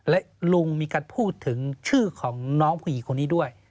และลุงมีการพูดถึงชื่อของน้องผู้หญิงคนนี้ด้วย